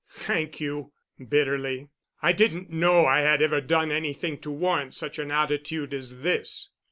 "Thank you," bitterly. "I didn't know I had ever done anything to warrant such an attitude as this."